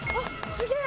すげえ！